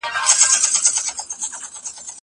زه به پوښتنه کړې وي!